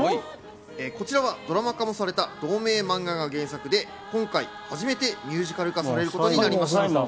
こちらはドラマ化もされた同名マンガが原作で今回初めてミュージカル化されることになりました。